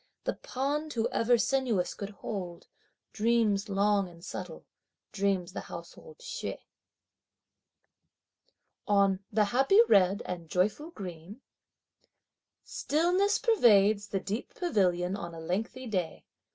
The pond who ever sinuous could hold? Dreams long and subtle, dream the household Hsieh. On "the happy red and joyful green:" Stillness pervades the deep pavilion on a lengthy day.